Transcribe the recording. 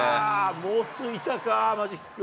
もうついたか、マジック。